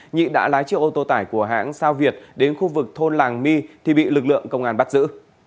nhị đã lái chiếc ô tô tải của hãng sao việt đến khu vực thôn làng my thì bị lực lượng công an bắt giữ